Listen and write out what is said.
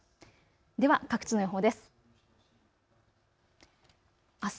では各地の予報です。